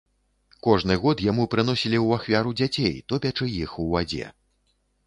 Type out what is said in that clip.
Кожны год яму прыносілі ў ахвяру дзяцей, топячы іх у вадзе.